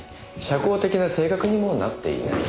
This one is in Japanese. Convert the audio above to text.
社交的な性格にもなっていない。